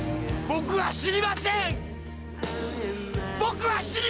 「僕は死にません！」